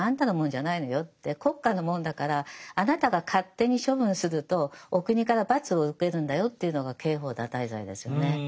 国家のもんだからあなたが勝手に処分するとお国から罰を受けるんだよというのが刑法堕胎罪ですよね。